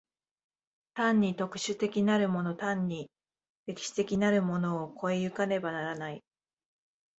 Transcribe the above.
単に特殊的なるもの単に歴史的なるものを越え行かねばならない。